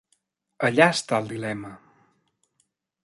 Allà està el dilema.